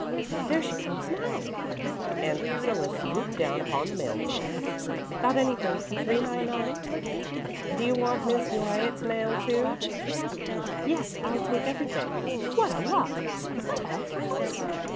"There she comes now!" and Priscilla swooped down upon the mail girl. "Got anything for 399?" "Do you want Miss Wyatt's mail too?" "Yes; I'll take everything. What a lot! Is that all for us?"